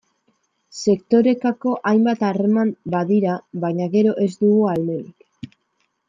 Sektorekako hainbat harreman badira, baina gero ez dugu ahalmenik.